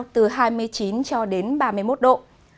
nền nhiệt cao từ hai mươi chín cho đến ba mươi một độ